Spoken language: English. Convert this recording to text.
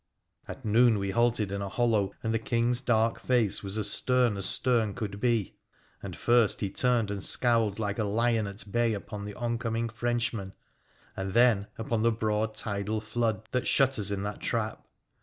At noon we halted in a hollow, and the King's dark face was as stern as stem could be. And first he turned and scowled like a lion at bay upon the oncoming Frenchmen, and then upon the broad tidal flood that shut us in that trap.